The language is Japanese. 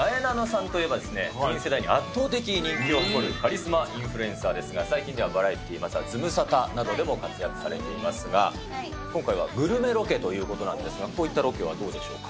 なえなのさんといえば、ティーン世代に圧倒的人気を誇るカリスマインフルエンサーですが、最近ではズムサタなどでも活躍されていますが、今回はグルメロケということなんですが、こういったロケはどうでしょうか。